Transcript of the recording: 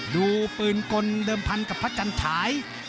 ดูปืนกลเดิมพันกับพระจันทาย